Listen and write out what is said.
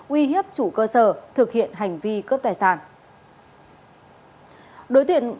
uy hiếp chủ cơ sở thực hiện hành vi cướp tài sản